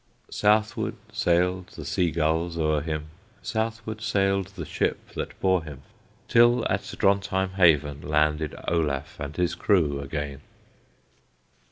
Southward sailed the sea gulls o'er him, Southward sailed the ship that bore him, Till at Drontheim haven landed Olaf and his crew again.